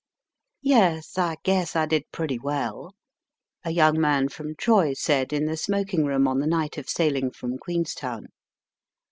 ^^ Yes, I guess I did pretty well," a young man from Troy said in the smoking room on the night of sailing from Queenstown.